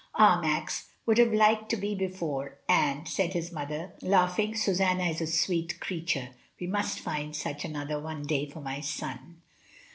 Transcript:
"Ah, Max would have liked to be beforehand," said his mother, laughing. "Susanna is a sweet creature. We must find such another, one day, for my son."